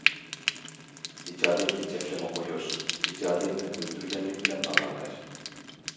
ئىجادىيەتكە چەكلىمە قويۇش ئىجادىيەتنى ئۆلتۈرگەنلىك بىلەن باراۋەر.